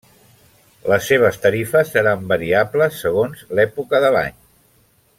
Les seves tarifes seran variables segons l'època de l'any.